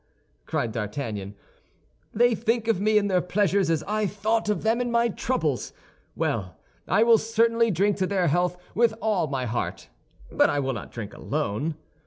cried D'Artagnan. "They think of me in their pleasures, as I thought of them in my troubles. Well, I will certainly drink to their health with all my heart, but I will not drink alone."